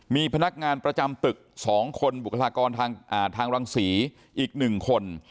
มีพนักงานประจำตึก๒คนบุคลากรทางรังศรีอีก๑คน